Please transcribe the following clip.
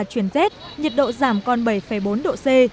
trong đợt z nhiệt độ giảm còn bảy bốn độ c